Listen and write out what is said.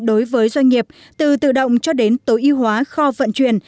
đối với doanh nghiệp từ tự động cho đến tối ưu hóa kho vận chuyển